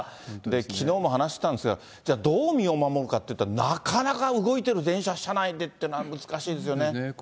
きのうも話したんですけれども、じゃあ、どう身を守るかっていったら、なかなか動いてる電車、車内でというのは難しいですよね。